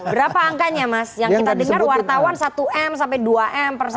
berapa angkanya mas yang kita dengar wartawan satu m sampai dua m per satu